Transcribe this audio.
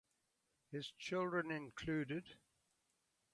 His children included